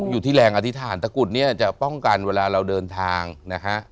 อยู่ที่แรงอธิษฐานตะกุดเนี่ยจะป้องกันเวลาเราเดินทางนะฮะ